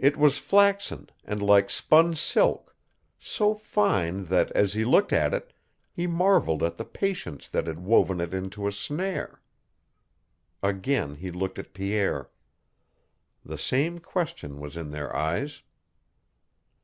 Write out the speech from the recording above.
It was flaxen, and like spun silk so fine that, as he looked at it, he marveled at the patience that had woven it into a snare. Again he looked at Pierre. The same question was in their eyes.